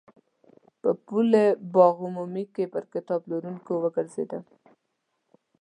په پل باغ عمومي کې پر کتاب پلورونکو وګرځېدم.